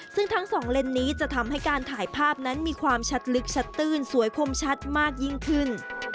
ซึ่งทั้งสองเลนส์นี้จะทำให้การถ่ายภาพนั้นมีความชัดลึกชัดตื้นสวยคมชัดมากยิ่งขึ้น